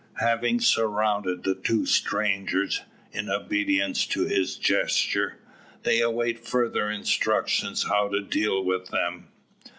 Having surrounded the two strangers, in obedience to his gesture, they await further instructions how to deal with them.